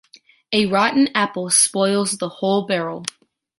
A rotten apple spoils the whole barrel.